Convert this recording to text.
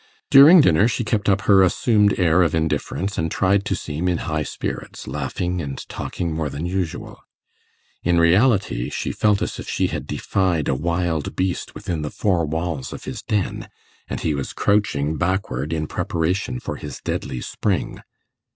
During dinner, she kept up her assumed air of indifference, and tried to seem in high spirits, laughing and talking more than usual. In reality, she felt as if she had defied a wild beast within the four walls of his den, and he was crouching backward in preparation for his deadly spring.